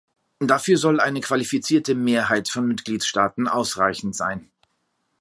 Dafür soll eine qualifizierte Mehrheit von Mitgliedstaaten ausreichend sein.